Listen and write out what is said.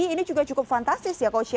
ini juga cukup fantastis ya coach